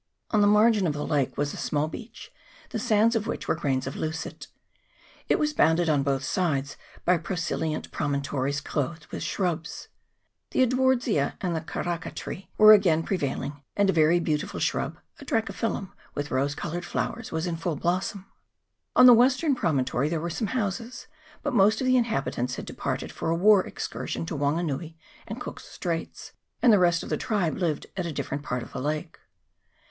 On the margin of the lake was a small beach, the sands of which were grains of leucit. It was bounded on both sides by prosilient promontories clothed with shrubs. The Edwardsia and the ka raka tree were again prevailing, and a very beautiful shrub, a Dracophyllum with rose coloured flowers, was in full blossom. On the western promontory were some houses ; but most of the inhabitants had departed for a war excursion to Wanganui and Cook's Straits, and the rest of the tribe lived at a different part of the lake.